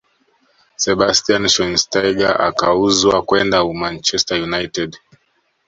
sebastian schweinsteiger akauzwa kwenda uanchester United